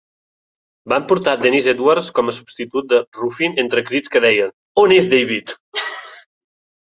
Van portar Dennis Edwards com a substitut de Ruffin entre crits que deien "on és David?".